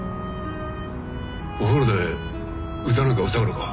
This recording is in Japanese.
お風呂で歌なんか歌うのか？